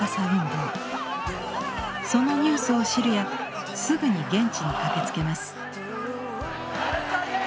そのニュースを知るやすぐに現地に駆けつけます。